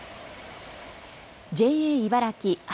ＪＡ茨城旭